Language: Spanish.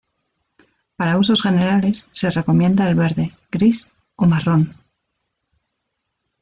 Para usos generales se recomienda el verde, gris o marrón.